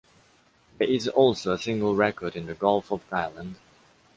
There is also a single record in the Gulf of Thailand